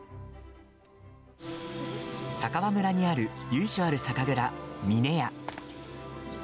佐川村にある由緒ある酒蔵、峰屋。